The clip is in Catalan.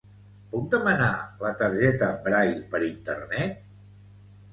Puc demanar la targeta Braile per internet?